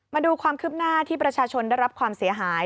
มาดูความคืบหน้าที่ประชาชนได้รับความเสียหาย